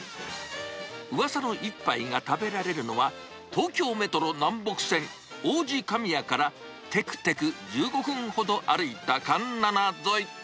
うわさの一杯が食べられるのは、東京メトロ南北線王子神谷からてくてく１５分ほど歩いた環七沿い。